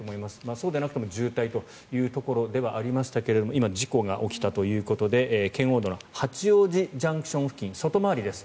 そうでなくても渋滞というところではありましたが今、事故が起きたということで圏央道の八王子ＪＣＴ付近外回りです。